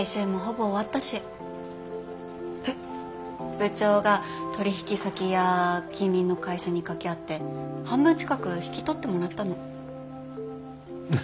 部長が取引先や近隣の会社に掛け合って半分近く引き取ってもらったの。